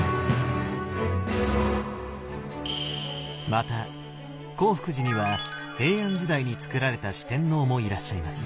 また興福寺には平安時代につくられた四天王もいらっしゃいます。